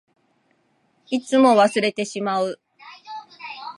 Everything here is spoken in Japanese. いつも忘れてしまう。